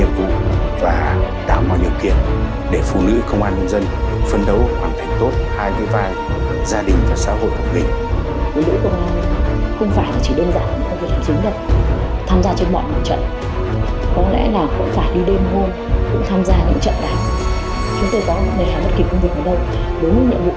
tám mươi bốn mươi sáu là tỷ lệ phụ nữ công an có trình độ cao đẳng đại học trở lên tăng hai mươi so với năm hai nghìn một mươi bảy